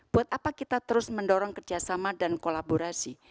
buat apa kita terus mendorong kerjasama dan kolaborasi